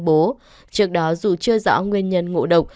bố trước đó dù chưa rõ nguyên nhân ngộ độc